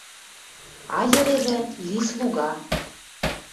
Айыревӹ — ли слуга!